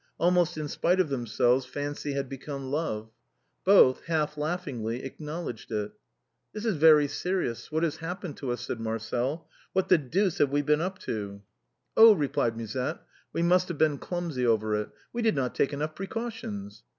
Almost in spite of themselves fancy had become love. Both, half laughingly, acknowledged it. " This is very serious ; what has happened to us ?" said Marcel. What the deuce have we been up to ?"" Oh 1 " replied Musette, " we must have been clumsy over it ; we did not take enough precautions."